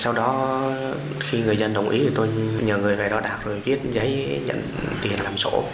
sau đó khi người dân đồng ý thì tôi nhờ người về đo đạc rồi viết giấy nhận tiền làm sổ